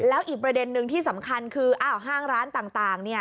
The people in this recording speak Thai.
แล้วอีกประเด็นนึงที่สำคัญคือห้างร้านต่าง